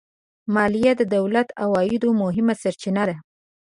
مالیه د دولت د عوایدو مهمه سرچینه ده